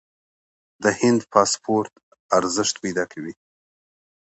د هند پاسپورت ارزښت پیدا کوي.